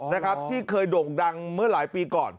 นะครับที่เคยโด่งดังเมื่อหลายปีก่อน